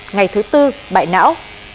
ngày thứ bốn bại não